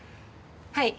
はい。